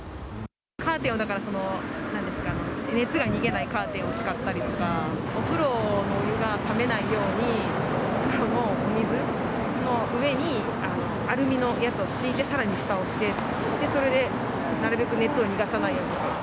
カーテンを、だから、そのなんですか、熱が逃げないカーテン使ったりとか、お風呂のお湯が冷めないように、お風呂のお水の上に、アルミのやつを敷いて、さらにふたをして、それでなるべく熱を逃がさないように。